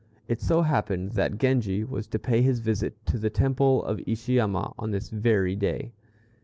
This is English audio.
It so happened that Genji was to pay his visit to the Temple of Ishiyama on this very day.